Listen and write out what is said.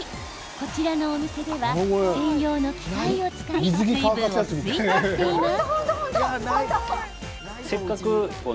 こちらのお店では専用の機械を使い水分を吸い取っています。